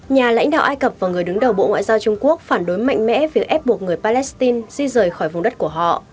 nhà lãnh đạo ai cập và người đứng đầu bộ ngoại giao trung quốc phản đối mạnh mẽ việc ép buộc người palestine di rời khỏi vùng đất của họ